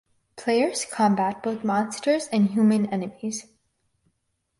Players combat both monsters and human enemies.